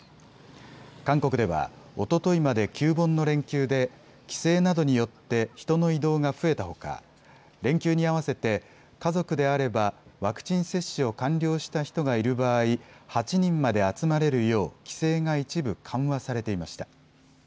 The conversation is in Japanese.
韓国では、おとといまで旧盆の連休で帰省などによって人の移動が増えたほか連休に合わせて家族であればワクチン接種を完了した人がいる場合、８人まで集まれるよう規制が一部緩和されていました。